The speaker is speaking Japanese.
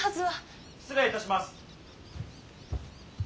・失礼いたします。